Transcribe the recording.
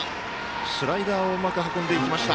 スライダーをうまく運んでいきました。